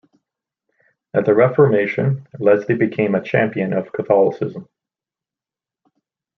At the Reformation Lesley became a champion of Catholicism.